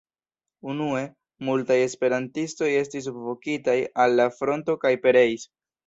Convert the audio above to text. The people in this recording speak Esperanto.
Unue, multaj esperantistoj estis vokitaj al la fronto kaj pereis.